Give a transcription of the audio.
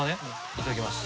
いただきます。